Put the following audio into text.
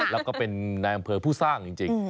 แล้วก็เป็นนายอำเภอผู้สร้างจริง